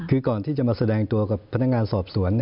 คือก่อนที่จะมาแสดงตัวกับพนักงานสอบสวน